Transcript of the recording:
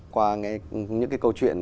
qua những câu chuyện